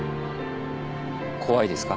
怖いですか？